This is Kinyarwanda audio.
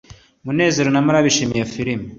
munezero na mariya bishimiye iyo filime